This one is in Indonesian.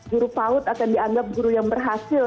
guru paut akan dianggap guru yang berhasil